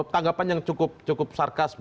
tanggapan yang cukup sarkas